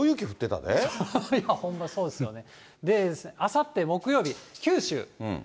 本当そうですよね。